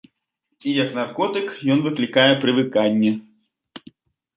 І як наркотык ён выклікае прывыканне.